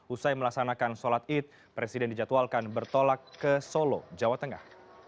usai melaksanakan sholat id presiden dijadwalkan bertolak ke solo jawa tengah